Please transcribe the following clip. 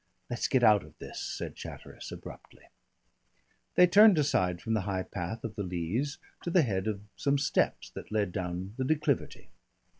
"Let's get out of this," said Chatteris abruptly. They turned aside from the high path of the Leas to the head of some steps that led down the declivity.